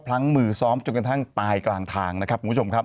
พลั้งมือซ้อมจนกระทั่งตายกลางทางนะครับคุณผู้ชมครับ